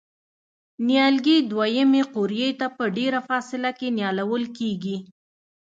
نیالګي دوه یمې قوریې ته په ډېره فاصله کې نیالول کېږي.